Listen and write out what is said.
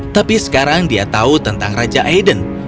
tapi sekarang dia tahu tentang raja aiden